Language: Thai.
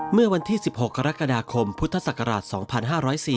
เมื่อวันที่๑๖กรกฎาคมพุทธศักราช๒๕๐๔